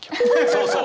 そうそう！